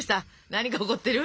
何が起こってる？